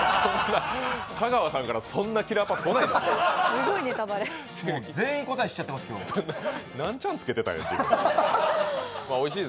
香川さんからそんなキラーパス来ない。